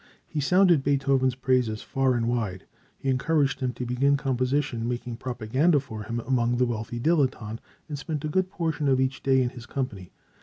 He sounded Beethoven's praises far and wide: he encouraged him to begin composition, making propaganda for him among the wealthy dilettante, and spent a good portion of each day in his company.